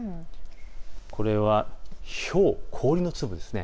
これはひょう、氷の粒です。